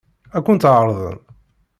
Ad kent-tt-ɛeṛḍen?